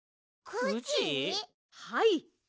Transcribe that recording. はい。